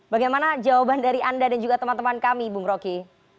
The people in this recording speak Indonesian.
bagaimana jawaban dari anda dan juga teman teman kami bung rocky